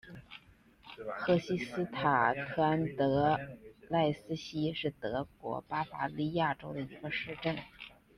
赫希斯塔特安德赖斯希是德国巴伐利亚州的一个市镇。